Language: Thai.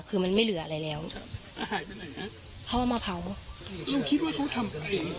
คือมันไม่เหลืออะไรแล้วเพราะว่ามะเพราหนูคิดว่าเขาทำ